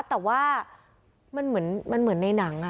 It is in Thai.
แต่ว่ามันเหมือนในหนัง